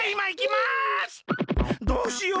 どうしよう？